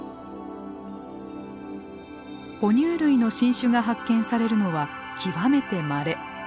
ほ乳類の新種が発見されるのは極めてまれ。